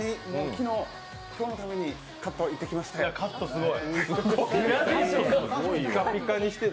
昨日、今日のためにカットに行ってきまして。